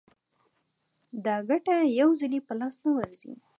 دا ګټه یو ځلي په لاس نه ورځي